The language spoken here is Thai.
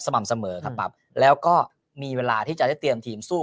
สม่ำสมอดิ์เราขอแบบแล้วก็มีเวลาที่จะได้เตรียมธีมสู้กับ